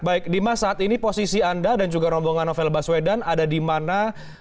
baik dimas saat ini posisi anda dan juga rombongan novel baswedan ada di mana